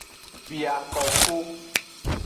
Biakopo.